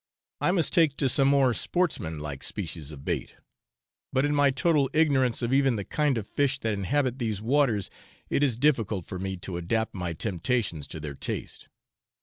I must take to some more sportsman like species of bait; but in my total ignorance of even the kind of fish that inhabit these waters, it is difficult for me to adapt my temptations to their taste.